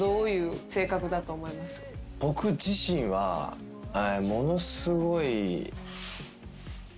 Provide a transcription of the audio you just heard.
僕自身はものすごい。